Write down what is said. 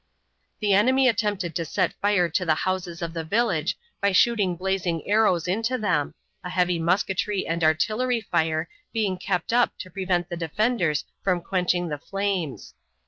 The enemy attempted to set fire to the houses of the village by shooting blazing arrows into them, a heavy musketry and artillery fire being kept up to prevent the defenders from quenching the flames.